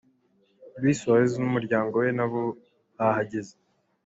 Luis Suarez n'umuryango we na bo bahageze.